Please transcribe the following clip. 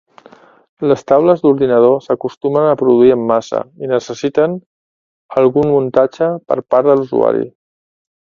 Les taules d'ordinador s'acostumen a produir en massa i necessiten algun muntatge per part de l'usuari.